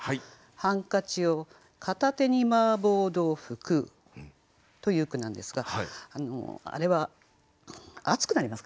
「ハンカチを片手に麻婆豆腐食ふ」という句なんですがあれは熱くなりますからね。